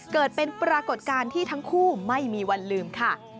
เกิดเป็นปรากฏการณ์ที่ทั้งคู่ไม่มีวันลืมค่ะ